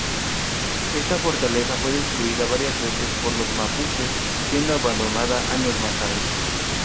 Esta fortaleza fue destruida varias veces por los mapuches, siendo abandonada años más tarde.